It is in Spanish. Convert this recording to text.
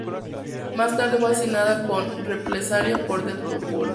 Más tarde fue asesinado en represalia por Deadpool.